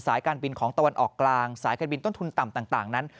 การบินของตะวันออกกลางสายการบินต้นทุนต่ำต่างนั้น